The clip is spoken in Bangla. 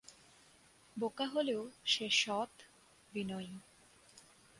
বোকা হলেও সে সৎ, বিনয়ী।